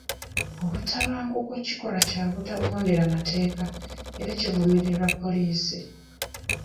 Obutabanguko kikolwa kya butagondera mateeka era kivumirirwa poliisi.